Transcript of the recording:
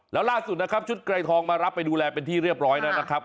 แล้วล่าสุดนะครับชุดไกรทองมารับไปดูแลเป็นที่เรียบร้อยแล้วนะครับ